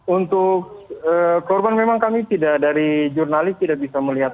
untuk korban memang kami tidak dari jurnalis tidak bisa melihat